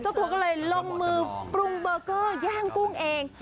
ตัวก็เลยลงมือปรุงเบอร์เกอร์ย่างกุ้งเอง